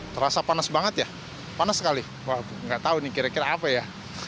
terasa panas banget ya panas sekali nggak tahu nih kira kira apa ya